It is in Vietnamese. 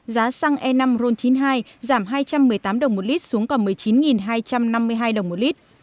giá xăng e năm ron chín mươi hai giảm hai trăm một mươi tám đồng một lit xuống còn một mươi chín hai trăm năm mươi hai đồng một lít